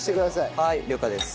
はい了解です。